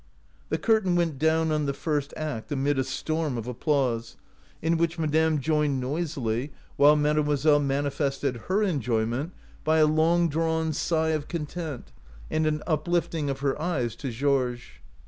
The curtain went down on the first act amid a storm of ap plause, in which madame joined noisily, while mademoiselle manifested her enjoy ment by a long drawn sigh of content and an uplifting of her eyes to Georges'.